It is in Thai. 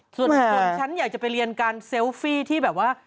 ส่วนคนฉันอยากจะไปเรียนการเซลฟี่ที่แบบว่า